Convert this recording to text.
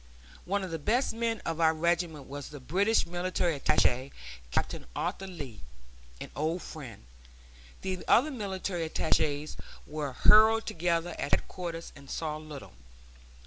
One of the best men with our regiment was the British military attache, Captain Arthur Lee, an old friend. The other military attaches were herded together at headquarters and saw little.